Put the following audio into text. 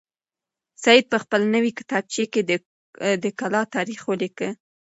سعید په خپله نوې کتابچه کې د کلا تاریخ ولیکه.